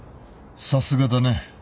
さすがだね